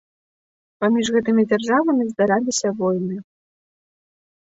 Паміж гэтымі дзяржавамі здараліся войны.